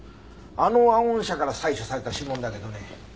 あのワゴン車から採取された指紋だけどね